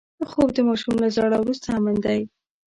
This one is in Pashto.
خوب د ماشوم له ژړا وروسته امن دی